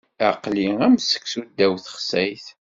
Aql-i am seksu ddaw texsayt.